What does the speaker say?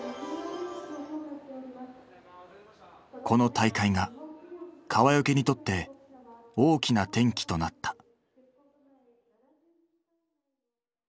この大会が川除にとって大きな転機となった。